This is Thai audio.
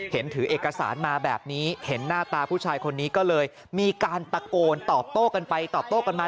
ถือเอกสารมาแบบนี้เห็นหน้าตาผู้ชายคนนี้ก็เลยมีการตะโกนตอบโต้กันไปตอบโต้กันมา